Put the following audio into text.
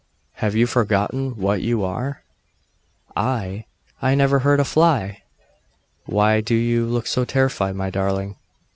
'Have you forgotten what you are?' 'I? I never hurt a fly!' 'Why do you look so terrified, my darling?